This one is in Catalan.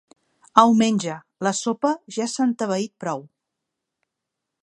Au, menja: la sopa ja s'ha entebeït prou.